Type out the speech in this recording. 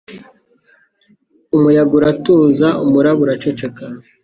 Umuyaga uratuza. Umuraba uraceceka.